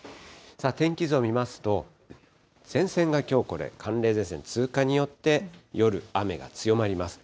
天気図を見ますと、前線がきょうこれ、寒冷前線、通過によって夜、雨が強まります。